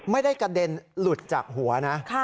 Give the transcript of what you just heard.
ไม่ได้กระเด็นหลุดจากหัวนะ